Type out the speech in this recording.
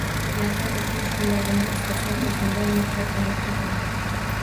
Yaqin oʻtmish kunlarimni eslasam oʻzimdan nafratlanib ketaman